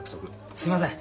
すいません。